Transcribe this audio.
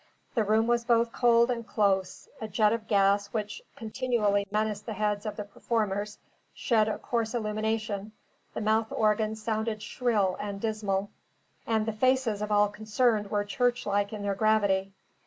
The room was both cold and close; a jet of gas, which continually menaced the heads of the performers, shed a coarse illumination; the mouth organ sounded shrill and dismal; and the faces of all concerned were church like in their gravity.